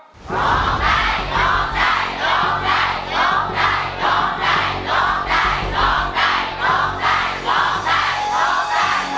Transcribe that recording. รองได้รองได้รองได้รองได้รองได้